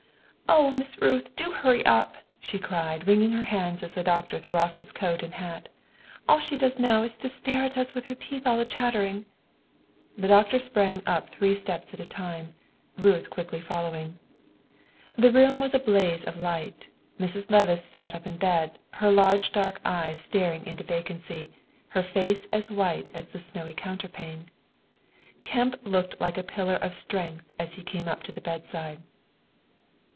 "Oh, Miss Ruth, do hurry up!" she cried, wringing her hands as the doctor threw off his coat and hat; "all she does now is to stare at us with her teeth all chattering." The doctor sprang up three steps at a time, Ruth quickly following. The room was in a blaze of light; Mrs. Levice sat up in bed, her large dark eyes staring into vacancy, her face as white as the snowy counterpane. Kemp looked like a pillar of strength as he came up to the bedside.